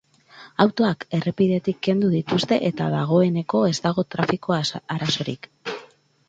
Autoak errepidetik kendu dituzte eta dagoeneko ez dago trafiko arazorik.